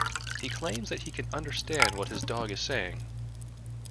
He claims that he can understand what his dog is saying